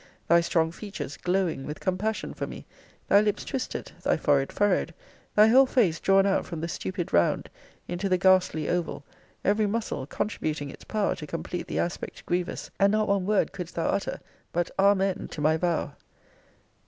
Thy strong features glowing with compassion for me; thy lips twisted; thy forehead furrowed; thy whole face drawn out from the stupid round into the ghastly oval; every muscle contributing its power to complete the aspect grievous; and not one word couldst thou utter, but Amen! to my vow.